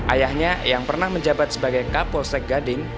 ayahnya yang pernah menjabat sebagai kapolsek gading